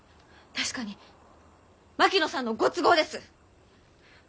確かに槙野さんのご都合です！